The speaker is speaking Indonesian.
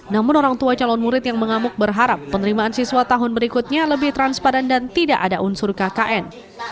namun orang tua calon murid yang mengamuk berharap penerimaan siswa tahun berikutnya lebih transparan dan tidak ada unsur kkn